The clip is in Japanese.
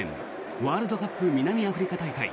ワールドカップ南アフリカ大会